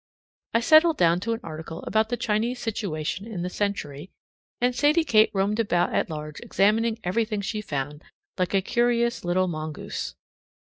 I settled down to an article about the Chinese situation in the Century, and Sadie Kate roamed about at large examining everything she found, like a curious little mongoose.